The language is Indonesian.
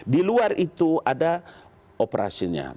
di luar itu ada operasinya